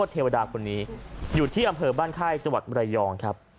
เทวดาคนนี้อยู่ที่อำเภอบ้านค่ายจังหวัดมรยองครับ